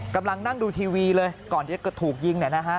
กำลังนั่งดูทีวีเลยก่อนที่ถูกยิง